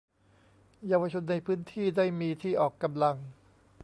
เยาวชนในพื้นที่ได้มีที่ออกกำลัง